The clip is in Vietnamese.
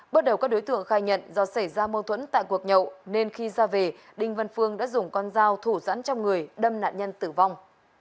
bước đầu các đối tượng khai nhận do xảy ra mâu thuẫn tại cuộc nhậu nên khi ra về đinh văn phương đã dùng con dao thủ dẫn trong người đâm nạn nhân tử vong